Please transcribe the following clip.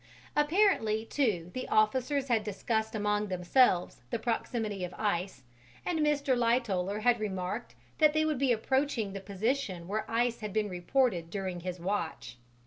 Apparently, too, the officers had discussed among themselves the proximity of ice and Mr. Lightoller had remarked that they would be approaching the position where ice had been reported during his watch.